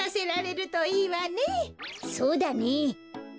そうだね。